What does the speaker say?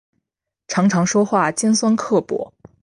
常常说话尖酸刻薄